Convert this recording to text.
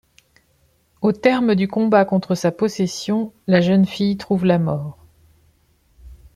Au terme du combat contre sa possession, la jeune fille trouve la mort.